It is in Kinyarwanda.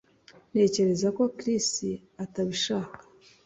Ntekereza ko Chris atabishaka